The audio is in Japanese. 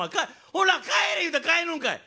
ほな帰れ言うたら帰るんかい！